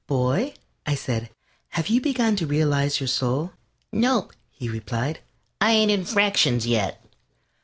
"Boy," I said, "have you begun to realize your soul?" "Nope," he replied. "I ain't in fractions yet."